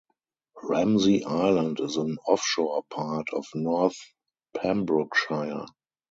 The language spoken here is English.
Ramsey Island is an offshore part of north Pembrokeshire.